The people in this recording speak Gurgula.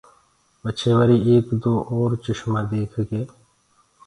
پچهي وري ايڪ دو اور چشمآ ديک ڪي۔